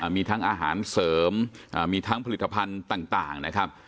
มีทั้งอาหารเสริมมีทั้งผลิตภัณฑ์ต่างนะครับ